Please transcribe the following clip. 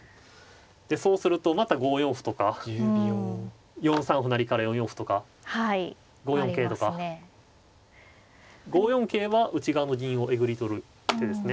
でそうするとまた５四歩とか４三歩成から４四歩とか５四桂とか。５四桂は内側の銀をえぐり取る手ですね。